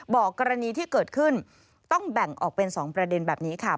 บอกกรณีที่เกิดขึ้นต้องแบ่งออกเป็น๒ประเด็นแบบนี้ค่ะ